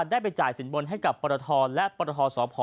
ได้ไปจ่ายสินบนกับปรฐฒร์และปรฐฒรศพ